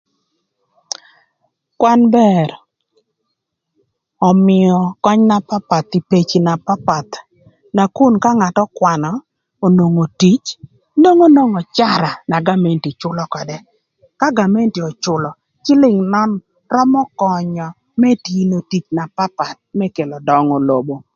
Kwan bër, ömïö köny na papath ï peci na papath, nakun ka ngat ökwanö, onwongo tic, onwongo nwongo öcara, na gamenti cülö ködë, ka gamenti öcülö, cïlïng nön römö könyö më tio tic na papath më kelo döngö lobo.